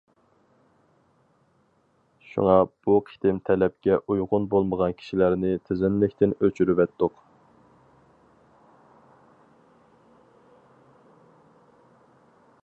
شۇڭا بۇ قېتىم تەلەپكە ئۇيغۇن بولمىغان كىشىلەرنى تىزىملىكتىن ئۆچۈرۈۋەتتۇق.